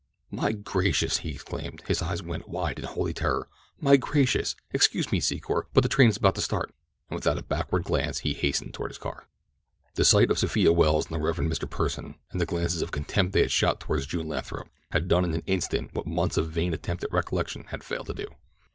"My gracious!" he exclaimed. His eyes went wide in holy horror. "My gracious! Excuse me, Secor, but the train is about to start." And without a backward glance he hastened toward his car. The sight of Sophia Welles and the Rev. Mr. Pursen, and the glances of contempt they had shot toward June Lathrop, had done in an instant what months of vain attempt at recollection had failed to do.